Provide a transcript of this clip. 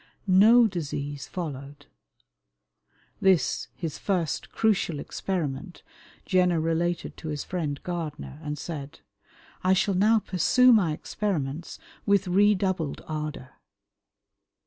No disease followed! This, his first crucial experiment, Jenner related to his friend Gardner, and said: "I shall now pursue my experiments with redoubled ardour."